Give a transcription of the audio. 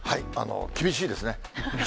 厳しいですね。